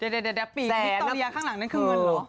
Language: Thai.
เดี๋ยวปีกคิคโตเรียข้างหลังนั่นคือเงินเหรอ